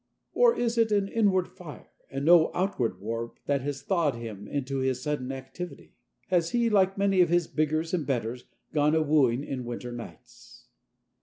Or is it an inward fire and no outward warmth that has thawed him into this sudden activity? Has he, like many of his biggers and betters, gone a wooing in winter nights?